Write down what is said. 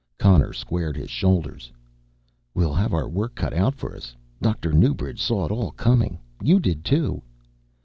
Connor squared his shoulders. "We'll have our work cut out for us. Dr. Newbridge saw it all coming, you did too."